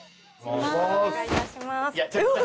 お願いいたします。